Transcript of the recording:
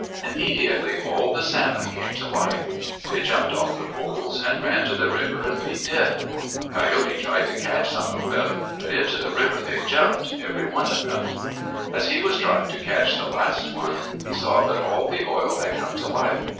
Immediately all the salmon came to life. They jumped off the poles and ran to the river and leaped in. Coyote tried to catch some of them, but into the river they jumped, every one of them. As he was trying to catch the last one, he saw that all the oil had come to life.